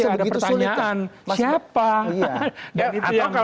ada pertanyaan siapa sebegitu sulit kan mas bas